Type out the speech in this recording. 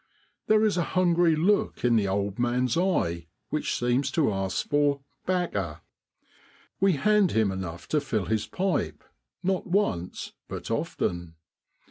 There is a hungry look in the old man's eye which seems to ask for ''bacca!' We hand him enough to fill his pipe, not once, but often.